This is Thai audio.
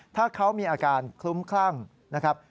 ถ้าเขามีอาการคลุ้มคลั่งนะครับ